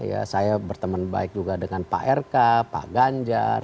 ya saya berteman baik juga dengan pak rk pak ganjar